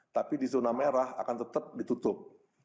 tapi di zona merah akan tetap ditutup